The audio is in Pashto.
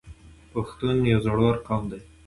پښتون یو زړور قوم دی.